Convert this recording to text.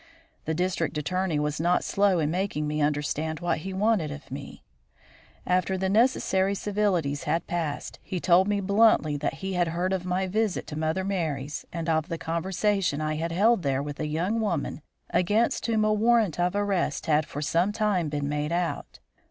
The District Attorney was not slow in making me understand what he wanted of me. After the necessary civilities had passed, he told me bluntly that he had heard of my visit to Mother Merry's and of the conversation I had held there with a young woman against whom a warrant of arrest had for some time been made out.